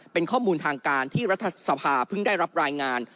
เป็นข้อมูลทางการที่รัฐสภาเพิ่งได้รับรายงาน